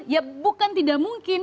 ya bukan tidak mungkin